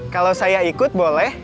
kalau saya ikut boleh